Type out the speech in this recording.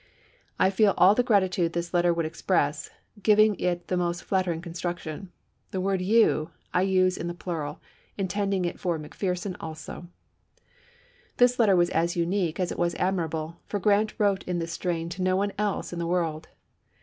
I feel all the gratitude fireman, this letter would express, giving it the most flatter ^^Memo^' ing construction. The word you I use in the plural, sheman." intending it for McPherson also." p?3997 This letter was as unique as it was admirable, for Grant wi'ote in this strain to no one else in the world.